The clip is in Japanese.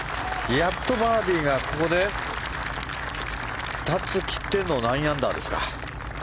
やっとバーディーがここで２つ来ての９アンダーですか。